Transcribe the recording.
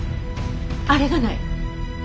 あれがない。